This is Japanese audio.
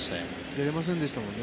出れませんでしたもんね。